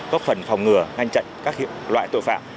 góp phần phòng ngừa ngăn chặn các hiệu loại tội phạm